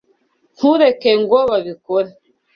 Ntureke ngo babikore.